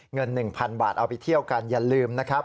เงิน๑๐๐๐บาทเอาไปเที่ยวกันอย่าลืมนะครับ